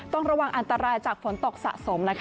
ต้องระวังอันตรายจากฝนตกสะสมนะคะ